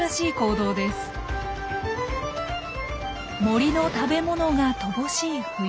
森の食べ物が乏しい冬。